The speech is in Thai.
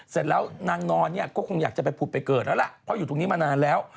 เสร็จแล้วนางนอนเนี่ยก็คงอยากจะไปผุดไปเกิดแล้วล่ะเพราะอยู่ตรงนี้มานานแล้ว